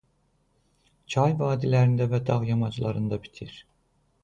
Çay vadilərində və dağ yamaclarında bitir.